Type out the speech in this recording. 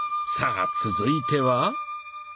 さあ続いては？